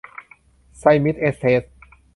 ไซมิส แอสเสท